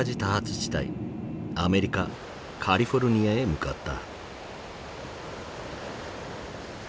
地帯アメリカ・カリフォルニアへ向かった。